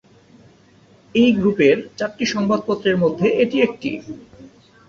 এই গ্রুপের চারটি সংবাদপত্রের মধ্যে এটি একটি।